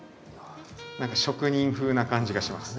何か職人風な感じがします。